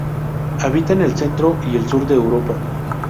Habita en el Centro y el sur de Europa.